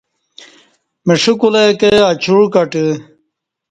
مݜہ کولہ کں اچوع کٹہ